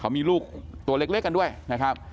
เขามีลูกตัวเล็กกันด้วยนะครับ